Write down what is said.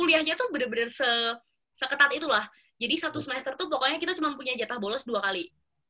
kuliahnya tuh bener bener seketat itulah jadi satu semester tuh pokoknya kita cuma punya jatah bolos dua kali